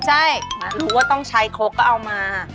ใช่รู้ว่าต้องใช้คกก็เอามา